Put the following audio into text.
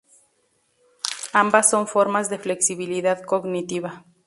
Ambas son formas de flexibilidad cognitiva.